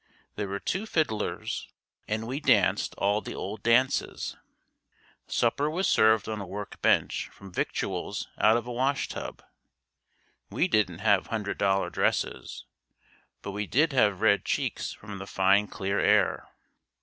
There were two fiddlers and we danced all the old dances. Supper was served on a work bench from victuals out of a wash tub. We didn't have hundred dollar dresses, but we did have red cheeks from the fine clear air.